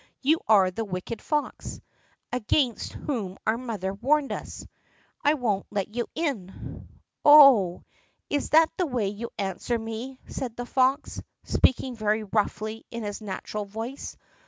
You are the wicked fox, against whom our mother warned us. I won't let you in." "Oho! is that the way you answer me?" said the fox, speaking very roughly in his natural voice.